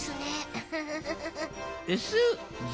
ウフフフ。